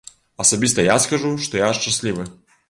Асабіста я скажу, што я шчаслівы.